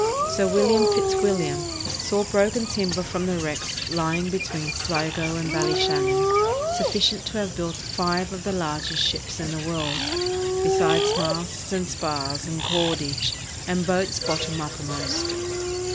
Sir William Fitzwiliiam saw broken timber from the wrecks lying between Sligo and Ballyshannon "sufficient to have built five of the 508 CAPTAIN CUELLAR AND HIS TROUBLES largest ships in the world," besides masts and spars and cordage, and boats bottom uppermost.